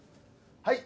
はい！